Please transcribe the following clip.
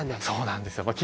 そうなんだ。